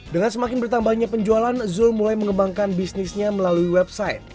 dengan semakin bertambahnya penjualan zul mulai mengembangkan bisnisnya melalui website